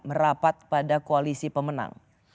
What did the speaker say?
merapat pada koalisi pemenang